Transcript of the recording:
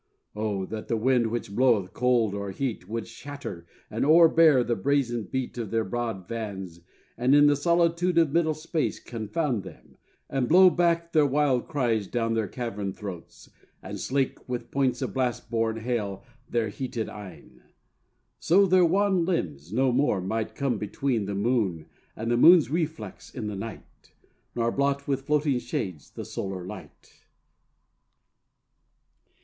Oh! that the wind which bloweth cold or heat Would shatter and o'erbear the brazen beat Of their broad vans, and in the solitude Of middle space confound them, and blow back Their wild cries down their cavernthroats, and slake With points of blastborne hail their heated eyne! So their wan limbs no more might come between The moon and the moon's reflex in the night; Nor blot with floating shades the solar light.